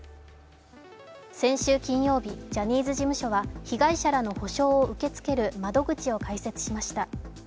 先週金曜日、ジャニーズ事務所は被害者らの補償を受け付ける窓口を開設しました。